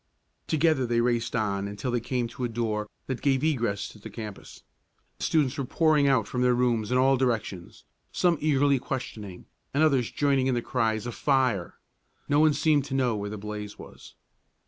Together they raced on until they came to a door that gave egress to the campus. Students were pouring out from their rooms in all directions, some eagerly questioning, and others joining in the cries of "Fire!" No one seemed to know where the blaze was.